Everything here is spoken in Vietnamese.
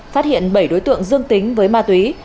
phát hiện bảy đối tượng dương tính với ma túy